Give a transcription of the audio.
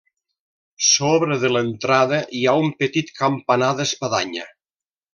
Sobre de l'entrada hi ha un petit campanar d'espadanya.